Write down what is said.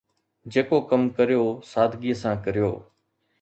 جيڪو ڪم ڪريو، سادگيءَ سان ڪريو.